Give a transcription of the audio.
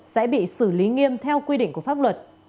sẽ bị xử lý nghiêm theo quy định của pháp luật